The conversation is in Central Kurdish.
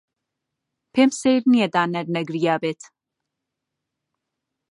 پێم سەیر نییە دانەر نەگریابێت.